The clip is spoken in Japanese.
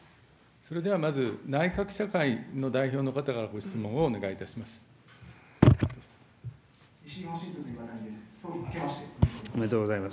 それではまず内閣記者会の代表の方のご質問をお願いします。